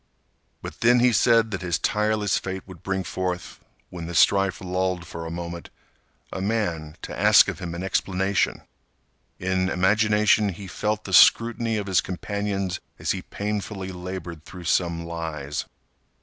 But then he said that his tireless fate would bring forth, when the strife lulled for a moment, a man to ask of him an explanation. In imagination he felt the scrutiny of his companions as he painfully labored through some lies.